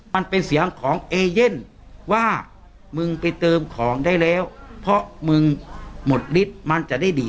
มันเป็นเสียงของเอเย่นว่ามึงไปเติมของได้แล้วเพราะมึงหมดฤทธิ์มันจะได้ดี